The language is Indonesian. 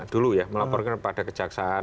dulu ya melaporkan pada kejaksaan